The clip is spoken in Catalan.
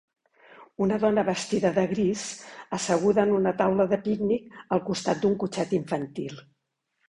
Una dona vestida de gris, asseguda en una taula de pícnic al costat d'un cotxet infantil.